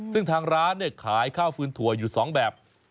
ซึ่งทางร้านขายข้าวฟืนถั่วอยู่๒แบบ